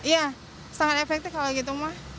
iya sangat efektif kalau gitu mah